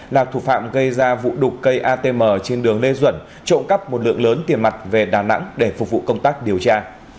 là thủ phạm gây ra vụ đục cây atm trên đường lê duẩn trộm cắp một lượng lớn tiền mặt về đà nẵng để phục vụ công tác điều tra